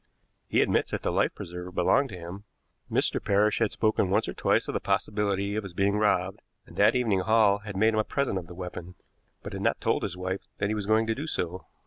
He admits that the life preserver belonged to him. Mr. Parrish had spoken once or twice of the possibility of his being robbed, and that evening Hall had made him a present of the weapon, but had not told his wife that he was going to do so.